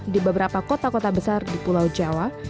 di beberapa kota kota besar di pulau jawa